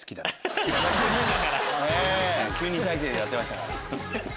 ９人体制でやってましたから。